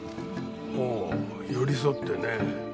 ほう寄り添ってね。